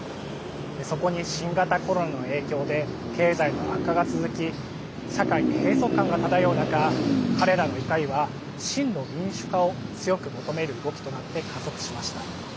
そこに、新型コロナの影響で経済の悪化が続き社会に閉塞感が漂う中彼らの怒りは、真の民主化を強く求める動きとなって加速しました。